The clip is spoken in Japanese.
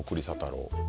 佐太郎。